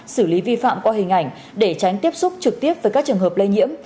xử lý vi phạm qua hình ảnh để tránh tiếp xúc trực tiếp với các trường hợp lây nhiễm